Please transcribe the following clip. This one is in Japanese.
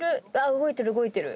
動いてる動いてる。